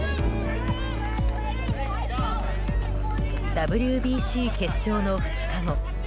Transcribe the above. ＷＢＣ決勝の２日後。